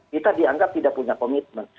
kita dianggap tidak punya komitmen